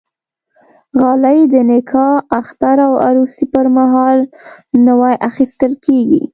غالۍ د نکاح، اختر او عروسي پرمهال نوی اخیستل کېږي.